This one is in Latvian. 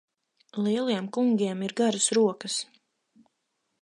Lieliem kungiem ir garas rokas.